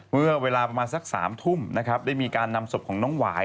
เมื่อเวลาประมาณสัก๓ทุ่มนะครับได้มีการนำศพของน้องหวาย